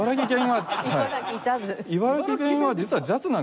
はい。